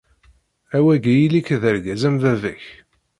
A wagi illi-k d-argaz am baba-k.